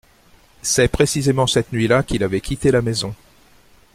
C’est précisément cette nuit-là qu’il avait quitté la maison.